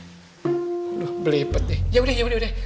aduh belepet nih yaudah yaudah yaudah